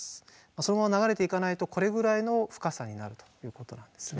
そのまま流れていかないとこれぐらいの深さになるということなんですね。